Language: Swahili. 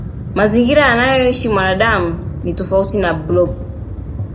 mazingira anayoishi mwanadamu ni tofauti na blob